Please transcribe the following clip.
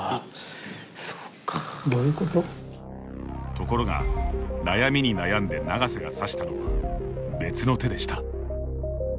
ところが、悩みに悩んで永瀬が指したのは別の手でした。